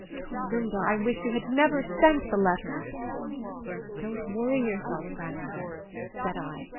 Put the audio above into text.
O Linda, I wish you had never sent the letters." "Don't worry yourself, Grandmother," said I.